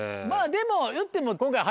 でもいっても。